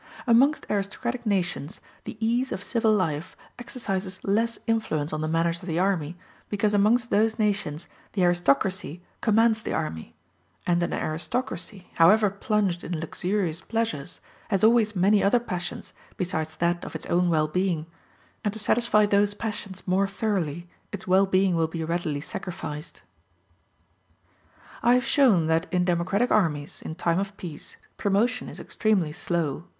Amongst aristocratic nations, the ease of civil life exercises less influence on the manners of the army, because amongst those nations the aristocracy commands the army: and an aristocracy, however plunged in luxurious pleasures, has always many other passions besides that of its own well being, and to satisfy those passions more thoroughly its well being will be readily sacrificed. *a [Footnote a: See Appendix V.] I have shown that in democratic armies, in time of peace, promotion is extremely slow.